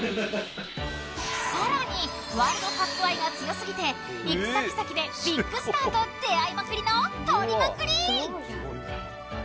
更にワールドカップ愛が強すぎて行く先々でビッグスターと出会いまくりの撮りまくり！